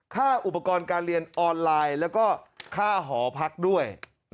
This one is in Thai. ค่าอุปกรณ์การเรียนออนไลน์แล้วก็ค่าหอพักด้วย